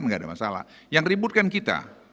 enggak ada masalah yang ribut kan kita